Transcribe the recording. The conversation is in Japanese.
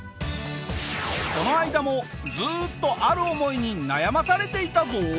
その間もずっとある思いに悩まされていたぞ！